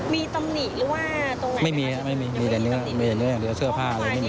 มีตำหนิหรือว่าตรงไหนไม่มีครับมีแต่เนื้อเสื้อผ้าเลยไม่มี